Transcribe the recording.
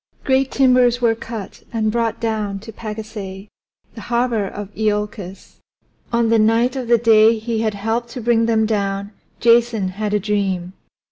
Great timbers were cut and brought down to Pagasae, the harbor of Iolcus. On the night of the day he had helped to bring them down Jason had a dream.